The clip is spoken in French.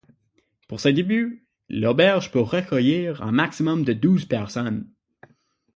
Pour ses débuts, l'auberge peut recueillir un maximum de douze personnes.